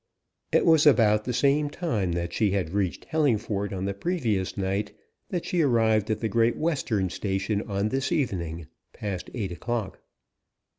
It was about the same time that she had reached Hellingford on the previous night, that she arrived at the Great Western station on this evening past eight o'clock.